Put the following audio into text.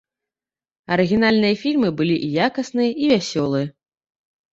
Арыгінальныя фільмы былі і якасныя і вясёлыя.